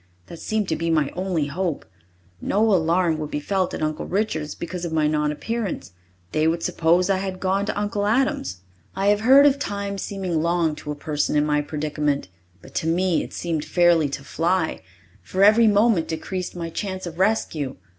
That seemed to be my only hope. No alarm would be felt at Uncle Richard's because of my non appearance. They would suppose I had gone to Uncle Adam's. I have heard of time seeming long to a person in my predicament, but to me it seemed fairly to fly, for every moment decreased my chance of rescue.